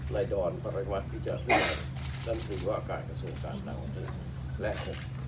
๕นายดอนบริวัตน์วิจารณ์รันทรีย์ว่าการกระทรวงภัณฑ์ต่างประตู